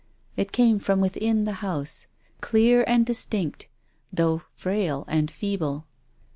It came from within the house, clear and distinct though frail and feeble.